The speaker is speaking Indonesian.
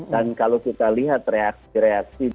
dan kalau kita lihat reaksi reaksi